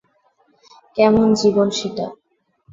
কেমন জীবন সেটা?